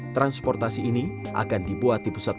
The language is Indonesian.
transportasi ini akan dibuat di pusat kota